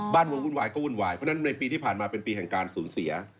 บ้านเมืองวุ่นวายก็วุ่นวายเพราะฉะนั้นในปีที่ผ่านมาเป็นปีแห่งการสูญเสีย